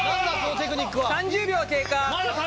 ３０秒経過。